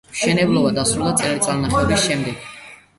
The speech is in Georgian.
მშენებლობა დასრულდა წელიწადნახევრის შემდეგ.